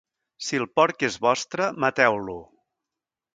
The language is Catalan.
Si el porc és vostre, mateu-lo.